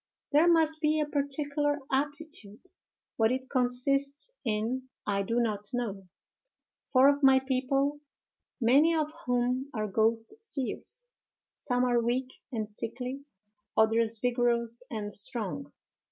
There must be a particular aptitude; what it consists in I do not know; for of my people, many of whom are ghost seers, some are weak and sickly, others vigorous and strong.